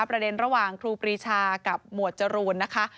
ประเด็นระหว่างครูปีชากับหมวดจรูลนะคะ